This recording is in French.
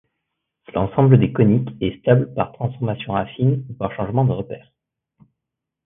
L'ensemble des coniques est stable par transformation affine ou par changement de repère.